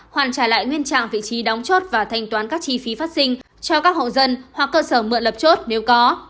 hoàn trả lại nguyên trạng vị trí đóng chốt và thanh toán các chi phí phát sinh cho các hộ dân hoặc cơ sở mượn lập chốt nếu có